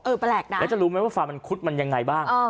แปลกนะแล้วจะรู้ไหมว่าฟามันคุดมันยังไงบ้าง